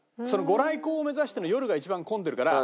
御来光を目指しての夜が一番混んでるから。